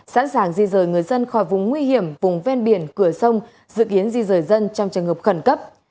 sẵn sàng di rời người dân khỏi vùng nguy hiểm vùng ven biển cửa sông dự kiến di rời dân trong trường hợp khẩn cấp